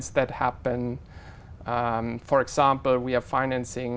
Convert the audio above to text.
từ bắt đầu đến cuối cùng